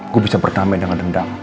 gue bisa berdamai dengan dendam